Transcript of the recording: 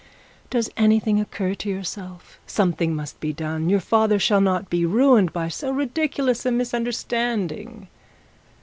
Does anything occur to yourself? Something must be done. Your father shall not be ruined by so ridiculous a misunderstanding.'